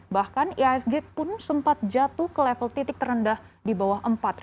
bahkan ihsg pun sempat jatuh ke level titik terendah di bawah empat